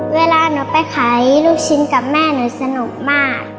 เวลาหนูไปขายลูกชิ้นกับแม่หนูสนุกมาก